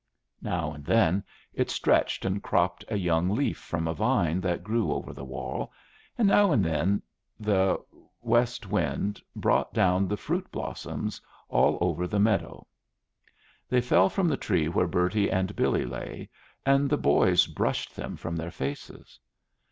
Now and then it stretched and cropped a young leaf from a vine that grew over the wall, and now and then the want wind brought down the fruit blossoms all over the meadow. They fell from the tree where Bertie and Billy lay, and the boys brushed them from their faces.